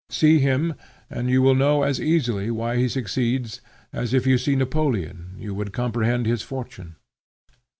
See him and you will know as easily why he succeeds, as, if you see Napoleon, you would comprehend his fortune.